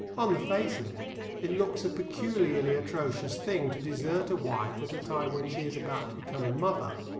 On the face of it, it looks a peculiarly atrocious thing to desert a wife at a time when she is about to become a mother.